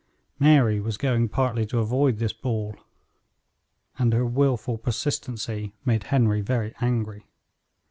Mary was going partly to avoid this ball, and her wilful persistency made Henry very angry.